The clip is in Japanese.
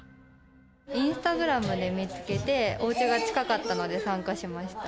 インスタグラムで見つけて、おうちが近かったので参加しました。